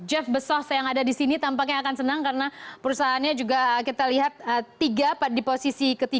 jeff bezos yang ada di sini tampaknya akan senang karena perusahaannya juga kita lihat tiga di posisi ketiga